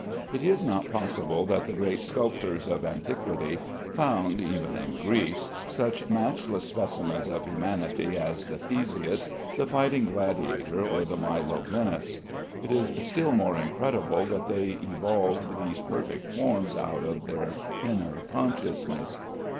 It is not possible that the great sculptors of antiquity found (even in Greece) such matchless specimens of humanity as the Theseus, the fighting gladiator, or the Milo Venus. It is still more incredible that they evolved these perfect forms out of their inner consciousness.